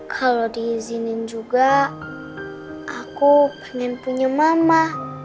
kalau diizinin juga aku pengen punya mama